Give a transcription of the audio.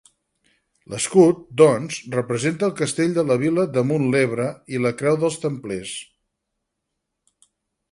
L'escut, doncs, representa el castell de la vila damunt l'Ebre i la creu dels templers.